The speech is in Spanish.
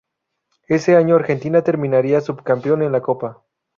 Ese año, Argentina terminaría subcampeón en la Copa.